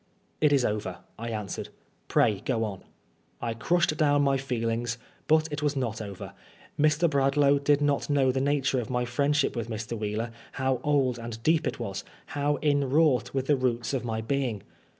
" It is over," I answered. " Pray go on." I crushed down my feelings, but it was not over. Mr. Bradlangh did not know the nature of my friend ship with Mr. Wheeler ; how old and deep it was, how inwrought with the roots of my being.